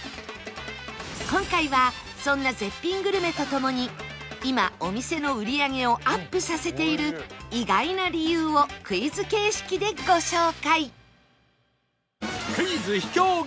今回はそんな絶品グルメとともに今お店の売り上げをアップさせている意外な理由をクイズ形式でご紹介